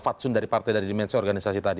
fatsun dari partai dari dimensi organisasi tadi